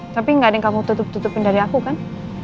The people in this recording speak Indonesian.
tapi nggak ada yang kamu tutup tutupin dari aku kan